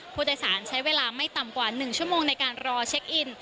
ผู้โดยสารใช้เวลาไม่ต่ำกว่า๑ชั่วโมงในการรอเช็คอิน